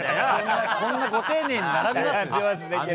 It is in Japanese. こんなご丁寧に並べます？